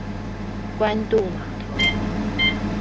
關渡碼頭